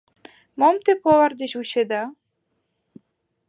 — Мом те повар деч вучеда?